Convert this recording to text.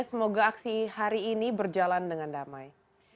semoga aksi hari ini berjalan dengan damai